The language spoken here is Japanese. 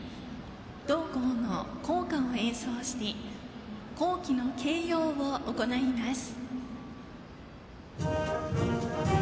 同校の校歌を演奏して校旗の掲揚を行います。